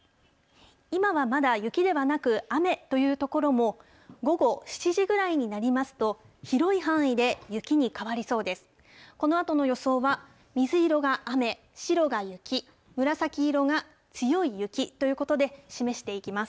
今はまだ雪ではなく、雨という所も、午後７時ぐらいになりますと、広い範囲で雪に変わりそうです。